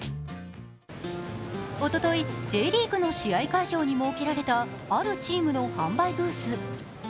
おととい、Ｊリーグの試合会場に設けられたあるチームの販売ブース。